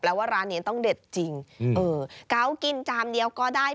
แล้วว่าร้านนี้ต้องเด็ดจริงเออเกากินจามเดียวก็ได้